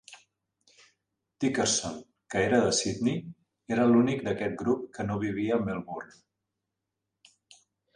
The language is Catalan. Dickerson, que era de Sydney, era l'únic d'aquest grup que no vivia a Melbourne.